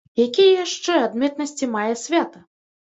Якія яшчэ адметнасці мае свята?